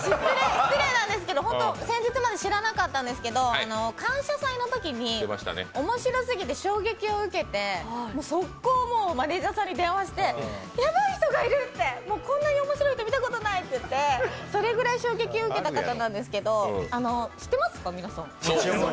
失礼なんですけど、先日まで知らなかったんですけど、「感謝祭」のときに面白すぎて衝撃を受けてマネージャーさんに電話してやばいひとがいるってこんなに面白い人見たことないっていってそれくらい衝撃を受けた方なんですけど、知ってますか、皆さん？